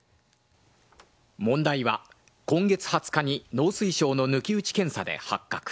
問題は、今月２０日に農水省の抜き打ち検査で発覚。